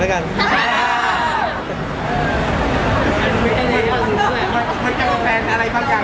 ไม่ได้เจอในคุณหรอก